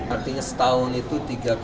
artinya setahun itu tiga empat